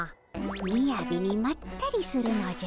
みやびにまったりするのじゃ。